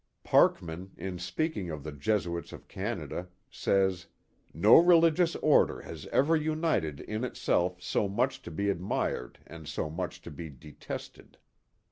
Parkman, in speaking of the Jesuits of Canada, says: No religious order has ever united in itself so much to be admired and so much to be detested.